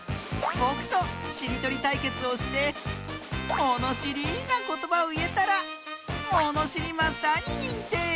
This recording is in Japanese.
ぼくとしりとりたいけつをしてものしりなことばをいえたらものしりマスターににんてい！